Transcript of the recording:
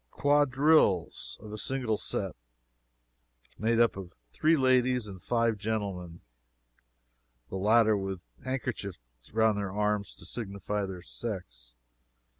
quadrilles, of a single set, made up of three ladies and five gentlemen, (the latter with handkerchiefs around their arms to signify their sex.)